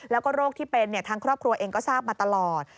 แล้วก็โรคที่เป็นทางครอบครัวเองก็ทราบมาตลอด